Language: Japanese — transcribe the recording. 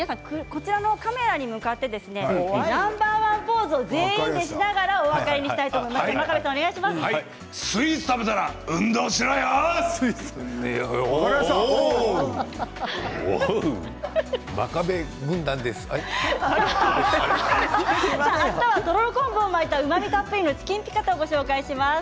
こちらのカメラに向かってナンバーワンポーズを全員でしながらお別れにしたいとスイーツ食べたら真壁軍団です。